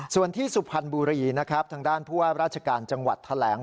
ส่วนที่สุพรรณบุรีนะครับทางด้านผู้ว่าราชการจังหวัดแถลง